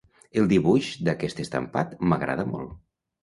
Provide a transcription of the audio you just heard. El dibuix d'aquest estampat m'agrada molt.